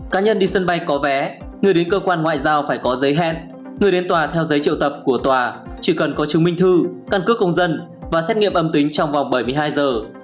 cá nhân đi sân bay có vé người đến cơ quan ngoại giao phải có giấy khen người đến tòa theo giấy triệu tập của tòa chỉ cần có chứng minh thư căn cước công dân và xét nghiệm âm tính trong vòng bảy mươi hai giờ